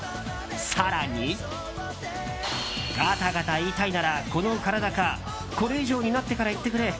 更に、「ガタガタ言いたいならこの体か、これ以上になってから言ってくれ。